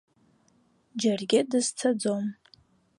Џьаргьы дызцаӡом.